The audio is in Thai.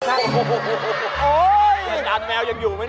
อาจารย์แมวยังอยู่ไหมเนี่ย